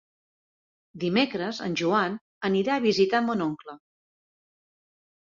Dimecres en Joan anirà a visitar mon oncle.